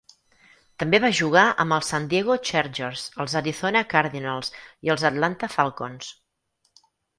També va jugar amb els San Diego Chargers, els Arizona Cardinals i els Atlanta Falcons.